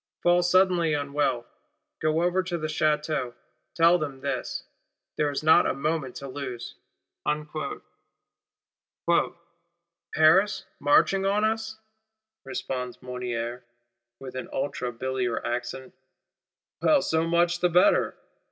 Fall suddenly unwell; go over to the Château; tell them this. There is not a moment to lose.'—'Paris marching on us?' responds Mounier, with an atrabiliar accent, 'Well, so much the better!